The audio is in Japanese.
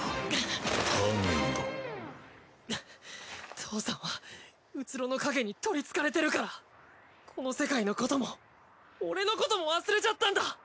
父さんは虚の影にとりつかれてるからこの世界のことも俺のことも忘れちゃったんだ！